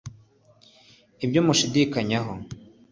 ibyo mushidikanyaho